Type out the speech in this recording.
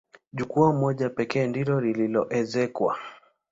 Jukwaa moja pekee ndilo lililoezekwa.